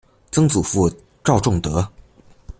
曾祖父赵仲德。